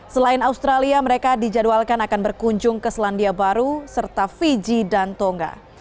selain australia mereka dijadwalkan akan berkunjung ke selandia baru serta fiji dan tonga